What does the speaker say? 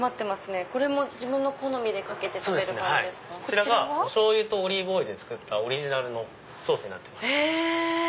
こちらお醤油とオリーブオイルで作ったオリジナルのソースになってます。